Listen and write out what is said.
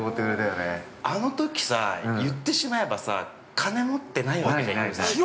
◆あのときさ、言ってしまえばさ金持ってないわけ、ＨＩＲＯさん。